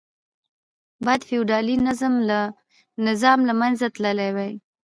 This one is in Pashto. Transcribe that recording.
باید فیوډالي نظام له منځه تللی وای.